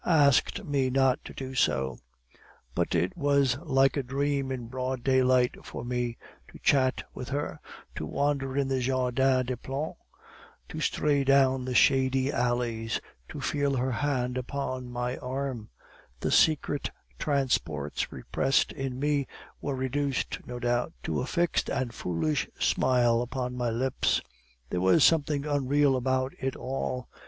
asked me not to do so. But it was like a dream in broad daylight for me, to chat with her, to wander in the Jardin des Plantes, to stray down the shady alleys, to feel her hand upon my arm; the secret transports repressed in me were reduced, no doubt, to a fixed and foolish smile upon my lips; there was something unreal about it all.